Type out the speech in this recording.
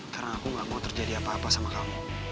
karena aku gak mau terjadi apa apa sama kamu